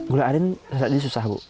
gula aren saat ini susah bu